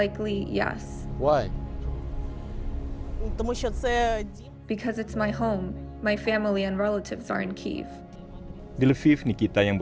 ketika kami pertama kali ke kiev saya bertanya apa yang dia inginkan untuk hari kebahagiaannya